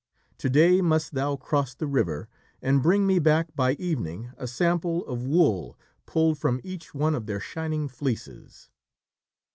To day must thou cross the river and bring me back by evening a sample of wool pulled from each one of their shining fleeces."